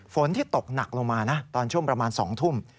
ฝนที่ตกหนักลงมานะตอนช่วงประมาณ๒ทุ่ม